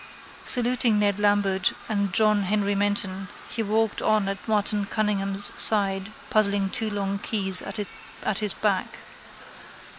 Saluting Ned Lambert and John Henry Menton he walked on at Martin Cunningham's side puzzling two long keys at his back.